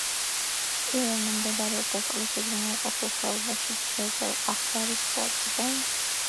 კირენა მდებარეობდა წყლით უზრუნველყოფილ ხეობაში, ჯებელ-ახდარის პლატოზე.